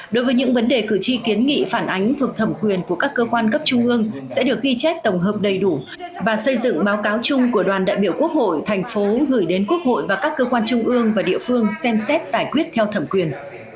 đối với những vấn đề cử tri kiến nghị phản ánh thuộc thẩm quyền của các cơ quan cấp trung ương sẽ được ghi chép tổng hợp đầy đủ và xây dựng báo cáo chung của đoàn đại biểu quốc hội thành phố gửi đến quốc hội và các cơ quan trung ương và địa phương xem xét giải quyết theo thẩm quyền